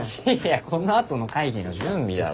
この後の会議の準備だろ。